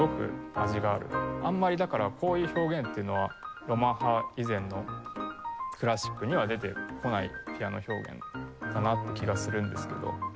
あんまりだからこういう表現っていうのはロマン派以前のクラシックには出てこないピアノ表現だなって気がするんですけど。